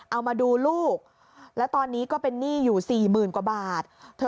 เอามาดูลูกแล้วตอนนี้ก็เป็นหนี้อยู่สี่หมื่นกว่าบาท